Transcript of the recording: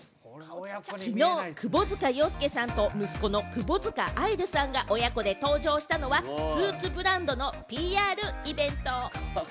昨日、窪塚洋介さんと息子の窪塚愛流さんが親子で登場したのはスーツブランドのＰＲイベント。